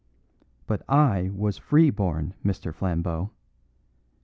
But I was free born, Mr. Flambeau!